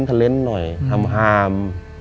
ทะเลนส์หน่อยฮาม